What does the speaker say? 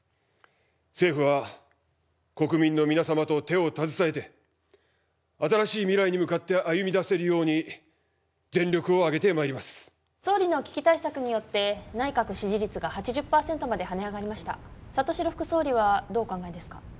政府は国民の皆様と手を携えて新しい未来に向かって歩み出せるように全力を挙げてまいります総理の危機対策によって内閣支持率が８０パーセントまではね上がりました里城副総理はどうお考えですか？